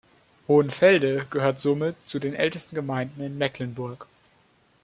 Hohenfelde gehört somit zu den ältesten Gemeinden in Mecklenburg.